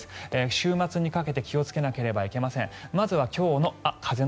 週末にかけて気をつけなければなりません。